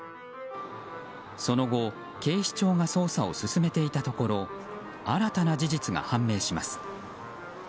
その後、警視庁が捜査を進めていたところ新たな事実が判明します。